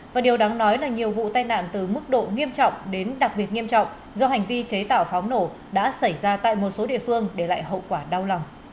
và điều đáng nói là nhiều vụ tai nạn từ mức độ nghiêm trọng đến đặc biệt nghiêm trọng do hành vi chế tạo pháo nổ đã xảy ra tại một số địa phương để lại hậu quả đau lòng